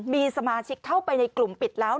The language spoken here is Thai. มีสมาชิกเข้าไปในกลุ่มปิดแล้ว